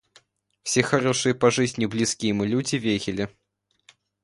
Все хорошие по жизни близкие ему люди верили.